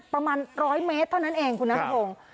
ประมาณร้อยเมตรเท่านั้นเองคุณนักฐาน